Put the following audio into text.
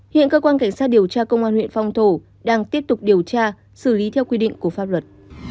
hiện cơ quan cảnh sát điều tra công an huyện phong thổ đang tiếp tục điều tra xử lý theo quy định của pháp luật